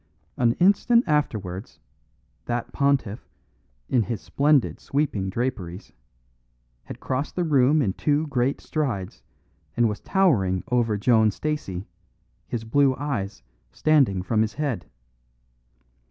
An instant afterwards that pontiff, in his splendid sweeping draperies, had crossed the room in two great strides, and was towering over Joan Stacey, his blue eyes standing from his head.